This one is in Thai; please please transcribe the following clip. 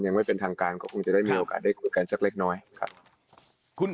ยังไม่เป็นทางการก็คงจะได้มีโอกาสได้คุยกันสักเล็กน้อยครับ